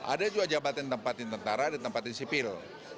ada juga jabatan tempatin tentara dan tempatin sipil